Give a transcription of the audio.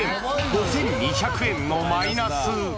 ５２００円のマイナス。